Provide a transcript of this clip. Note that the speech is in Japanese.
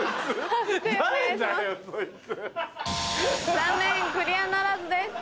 残念クリアならずです。